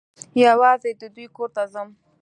یوازي د دوی کور ته ځم .